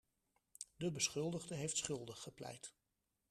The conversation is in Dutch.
De beschuldigde heeft schuldig gepleit.